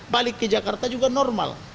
balik ke jakarta juga normal